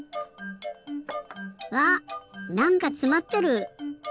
わっなんかつまってる！